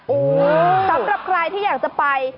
โอ้โหสำหรับใครที่อยากจะไป